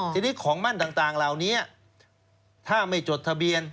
ทีนี้ของมั่นต่างเหล่านี้ถ้าไม่จดทะเบียน